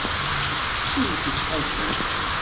Wwtet Ḥasan.